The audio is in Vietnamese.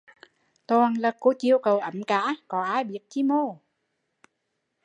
Toàn là cô chiêu cậu ấm cả, có ai biết chi mô